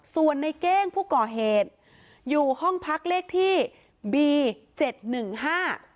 ส่วนในเก้งผู้ก่อเหตุอยู่ห้องพักเลขที่บีเจ็ดหนึ่งห้า